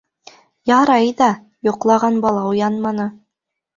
Ярай ҙа йоҡлаған бала уянманы.